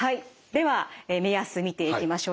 では目安見ていきましょう。